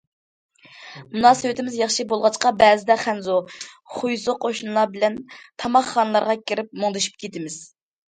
مۇناسىۋىتىمىز ياخشى بولغاچقا، بەزىدە خەنزۇ، خۇيزۇ قوشنىلار بىلەن تاماقخانىلارغا كىرىپ مۇڭدىشىپ كېتىمىز.